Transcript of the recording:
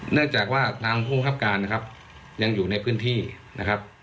เนื่องจากว่าทางผู้บังคับการนะครับยังอยู่ในพื้นที่นะครับ